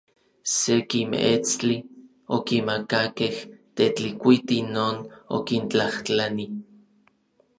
Seki meetstli okimakakej Tetlikuiti non okintlajtlani.